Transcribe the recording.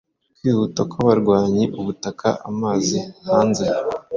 Kwihuta kwabarwanyi ubutaka-amazi hanze